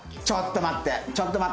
ちょっと待った！